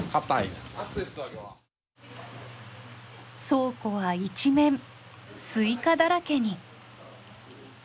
倉庫は一面スイカだらけに。